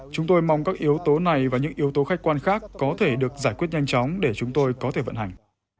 chúng tôi mong các yếu tố này và những yếu tố khách quan khác có thể được giải quyết nhanh chóng để chúng tôi có thể vận hành